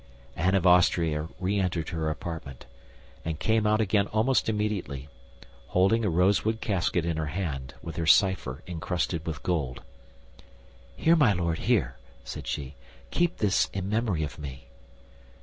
Anne of Austria re entered her apartment, and came out again almost immediately, holding a rosewood casket in her hand, with her cipher encrusted with gold. "Here, my Lord, here," said she, "keep this in memory of me."